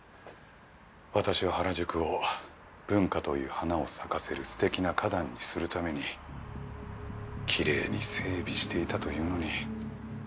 私は原宿を文化という花を咲かせるステキな花壇にするためにきれいに整備していたというのに。